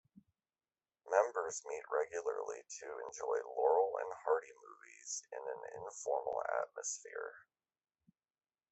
Members meet regularly to enjoy Laurel and Hardy movies in an informal atmosphere.